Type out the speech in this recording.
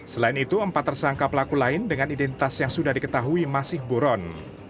selain itu empat tersangka pelaku lain dengan identitas yang sudah diketahui masih buron